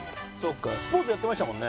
スポーツやってましたもんね？